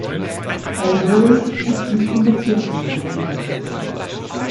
Albury ist nicht in Bezirke untergliedert.